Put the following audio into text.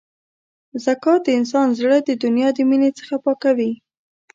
زکات د انسان زړه د دنیا د مینې څخه پاکوي.